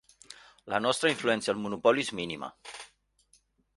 La nostra influència al monopoli és mínima.